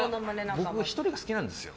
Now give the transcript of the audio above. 僕、１人が好きなんですよ。